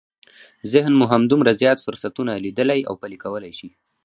ذهن مو همدومره زیات فرصتونه ليدلی او پلي کولای شي.